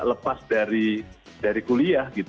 lepas dari kuliah